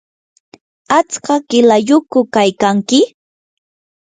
¿atska qilayyuqku kaykanki?